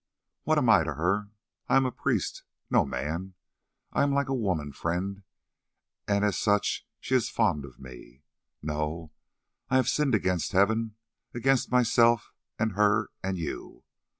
What am I to her? I am a priest—no man. I am like a woman friend, and as such she is fond of me. No, I have sinned against Heaven, against myself, and her, and you.